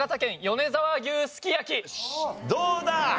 どうだ？